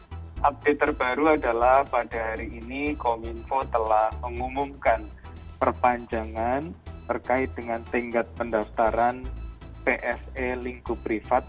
update terbaru adalah pada hari ini kominfo telah mengumumkan perpanjangan terkait dengan tenggat pendaftaran pse lingkup privat